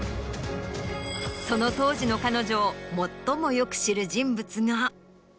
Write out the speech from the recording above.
その当時の彼女を最もよく知る人物が。